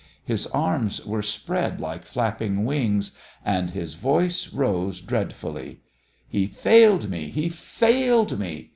His arms were spread like flapping wings, and his voice rose dreadfully: "He failed me, he failed me!"